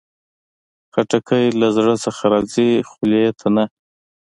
خټکی له زړه نه راځي، خولې ته نه.